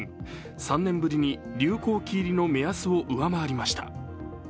３年ぶりに流行期入りの目安を上回りました。